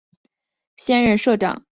现任社长为金炳镐。